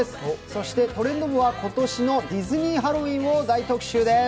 そして、「トレンド部」は今年のディズニーハロウィーンを大特集です。